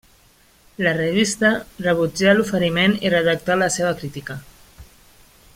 La revista rebutjà l'oferiment i redactà la seva crítica.